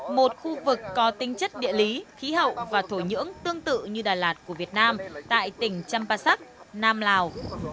một khu vực có tính chất địa lý khí hậu và thổ nhưỡng tương tự như đà lạt của việt nam tại tỉnh champasak nam lào